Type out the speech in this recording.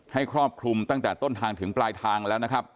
ครอบคลุมตั้งแต่ต้นทางถึงปลายทางแล้วนะครับ